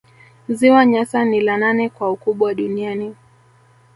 Ziwa Nyasa ni la nane kwa ukubwa duniani